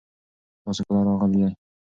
تاسو کله راغلي یئ؟